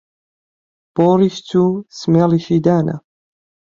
بۆ ڕیش چوو سمێڵیشی دانا